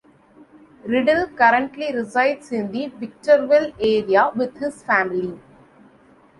Riddle currently resides in the Victorville area with his family.